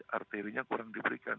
arterinya kurang diberikan